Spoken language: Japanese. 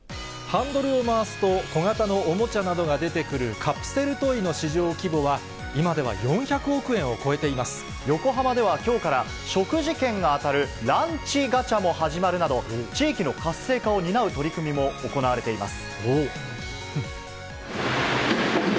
ハンドルを回すと、小型のおもちゃなどが出てくるカプセルトイの市場規模は、今では横浜ではきょうから、食事券が当たるランチガチャも始まるなど、地域の活性化を担う取り組みも行われています。